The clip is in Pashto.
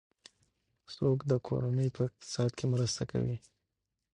څوک د کورنۍ په اقتصاد کې مرسته کوي؟